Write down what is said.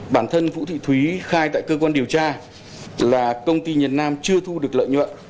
bản thân vũ thị thúy khai tại cơ quan điều tra là công ty nhật nam chưa thu được lợi nhuận